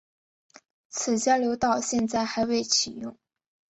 此交流道现时还未启用。